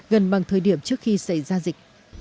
gần bằng thời điểm trước khi xảy ra dịch